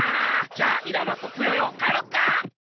じゃあイララとクヨヨかえろっか！